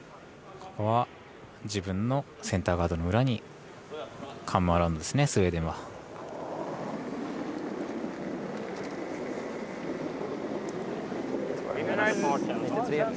ここは自分のセンターガードの裏にカム・アラウンドですね。